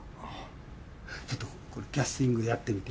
ちょっとキャスティングやってみて。